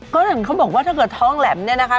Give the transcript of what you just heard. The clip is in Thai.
ก็อย่างเขาบอกว่าถ้าเกิดท้องแหลมเนี่ยนะคะ